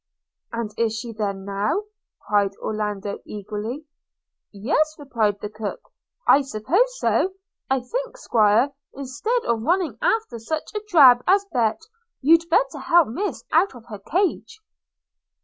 'And is she there now?' cried Orlando eagerly. 'Yes,' replied the cook, 'I suppose so – I think, 'squire, instead of running after such a drab as Bet, you'd better help Miss out of her cage.'